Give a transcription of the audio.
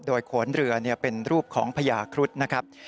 โดยโขนเรือเป็นรูปของพญาครุฑนะครับ